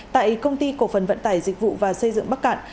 tại công ty cổ phần vận tải dịch vụ và xây dựng bắc cạn